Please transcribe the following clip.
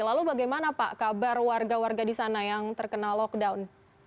lalu bagaimana pak kabar warga warga di sana yang terkena lockdown